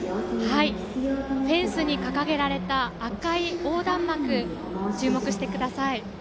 フェンスに掲げられた赤い横断幕に注目してください。